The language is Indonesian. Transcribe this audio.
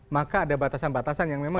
maka ada batasan batasan yang memang